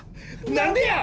何でや！